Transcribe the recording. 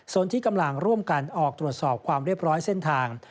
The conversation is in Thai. ส่วนที่กำลังร่วมกันออกตรวจสอบความเรียบร้อยเส้นทาง